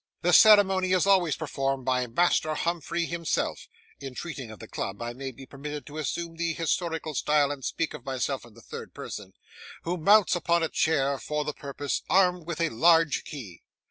The ceremony is always performed by Master Humphrey himself (in treating of the club, I may be permitted to assume the historical style, and speak of myself in the third person), who mounts upon a chair for the purpose, armed with a large key.